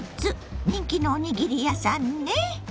人気のおにぎり屋さんね。